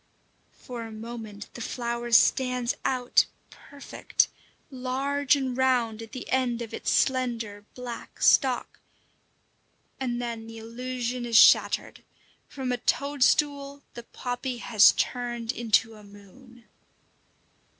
For a moment the flower stands out perfect, large and round at the end of its slender, black stalk, and then the illusion is shattered: from a toadstool the poppy has turned into a moon!